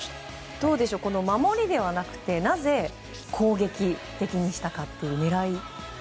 どうでしょう守りではなくてなぜ攻撃的にしたかという狙い